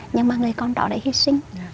nhưng mà người con đó đã hy sinh